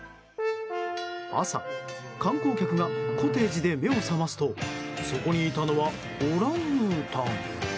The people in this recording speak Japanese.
朝、観光客がコテージで目を覚ますとそこにいたのはオランウータン。